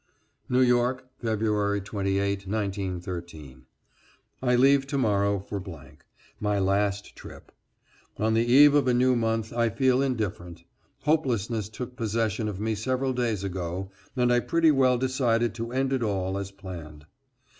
=New York, February 28, 1913.= I leave to morrow for , my last trip. On the eve of a new month I feel indifferent. Hopelessness took possession of me several days ago, and I pretty well decided to end it all as planned.